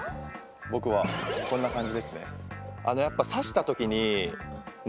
ボクはこんな感じですね。